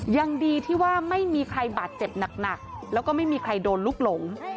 ยังดีที่ว่าไม่มีใครบาดเจ็บหนักแล้วก็ไม่มีใครโดนลูกหลง